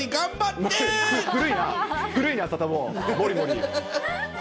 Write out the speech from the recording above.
古いな、サタボー、もりもり。